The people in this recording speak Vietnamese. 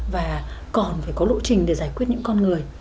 và còn phải có lộ trình để giải quyết những con người